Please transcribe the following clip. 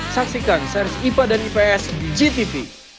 saksikan sers ipa dan ips di gtv